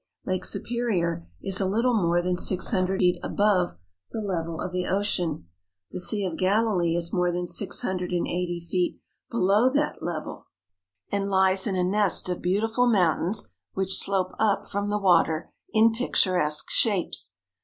Lake Superior is a little more than six hundred feet above the level of the ocean. The Sea of Galilee is more than six hundred and eighty feet ,below that level and lies 187 THE HOLY LAND AND SYRIA in a nest of beautiful mountains which slope up from the water in picturesque shapes.